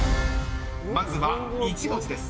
［まずは１文字です］